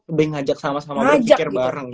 lebih ngajak sama sama berpikir bareng ya